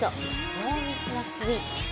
濃密なスイーツです。